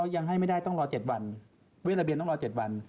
ยังให้ไม่ได้ต้องรอเจ็ดวันเวทระเบียนต้องรอเจ็ดวัน